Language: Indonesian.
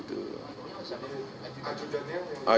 yang dibawa kemari juga hanya beliau gitu